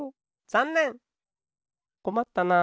こまったな。